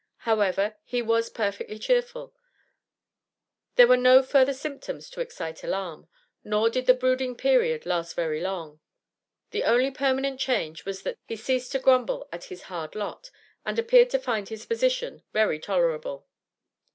However, he was perfectly cheerful; there were no further symptoms to excite alarm. Nor did the brooding period last very long. The only permanent change was that he ceased to grumble at his hard lot, and appeared to find his position very tolerable.